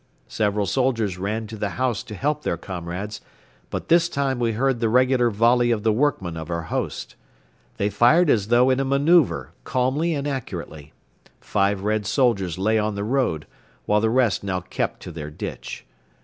Several soldiers ran to the house to help their comrades but this time we heard the regular volley of the workmen of our host. They fired as though in a manoeuvre calmly and accurately. Five Red soldiers lay on the road, while the rest now kept to their ditch.